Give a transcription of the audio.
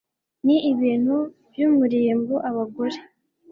n ibintu by umurimbo abagore